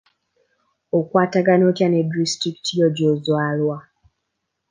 Okwatagana otya ne disitulikiti yo gy'ozaalwa?